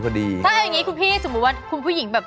ถ้าเอาอย่างนี้คุณพี่สมมุติว่าคุณผู้หญิงแบบ